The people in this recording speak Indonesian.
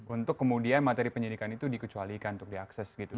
untuk kemudian materi penyidikan itu dikecualikan untuk diakses gitu